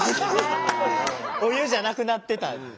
お湯じゃなくなってた。